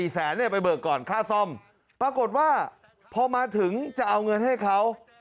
แสนเนี่ยไปเบิกก่อนค่าซ่อมปรากฏว่าพอมาถึงจะเอาเงินให้เขา